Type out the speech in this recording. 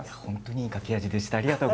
いい書き味でした。